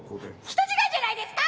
人違いじゃないですか？